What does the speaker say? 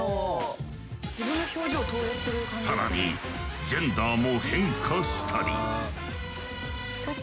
更にジェンダーも変化したり。